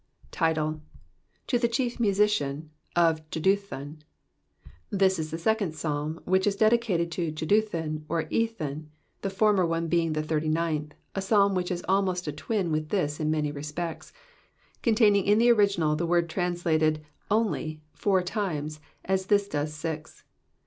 Title. —To the Chief Masician, to Jeduthun. — This is the second Psalm which is dedicated to Jeduthun or Ethan, the former one being the thirty ninth, a Fsalm which is almost a twin with this in many respects, coyUaining in the original the tcord translated only four times as this does six.